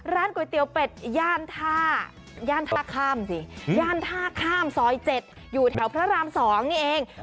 ก๋วยเตี๋ยวเป็ดย่านท่าข้ามสิย่านท่าข้ามซอย๗อยู่แถวพระราม๒นี่เอง